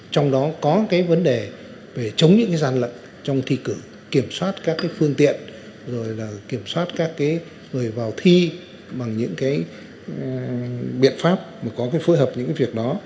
trong đó có vấn đề về chống những gian lận trong thi cử kiểm soát các phương tiện kiểm soát các người vào thi bằng những biện pháp có phối hợp những việc đó